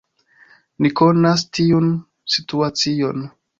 Ni konas tiun situacion.